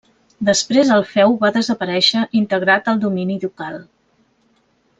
Després el feu va desaparèixer integrat al domini ducal.